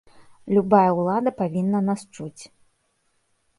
Любая ўлада павінна нас чуць.